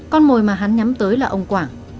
con mồi mà hắn nhắm tới là ông quảng